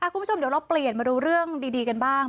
คุณผู้ชมเดี๋ยวเราเปลี่ยนมาดูเรื่องดีกันบ้าง